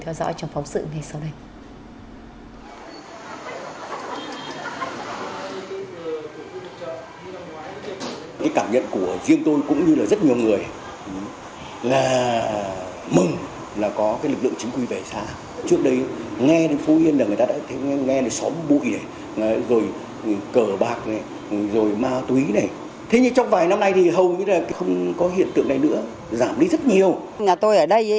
theo dõi trong phóng sự ngay sau đây